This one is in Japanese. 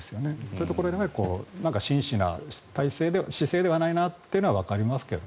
というところに真摯な体制姿勢ではないなということはわかりますね。